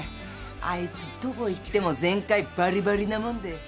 あいつどこ行っても全開バリバリなもんで。